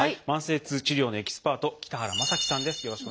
慢性痛治療のエキスパート北原雅樹さんです。